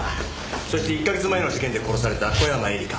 そして１カ月前の事件で殺された小山絵里香。